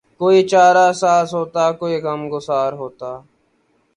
کوئی چارہ ساز ہوتا کوئی غم گسار ہوتا